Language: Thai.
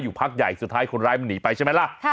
พักใหญ่สุดท้ายคนร้ายมันหนีไปใช่ไหมล่ะ